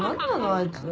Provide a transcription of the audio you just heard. あいつ。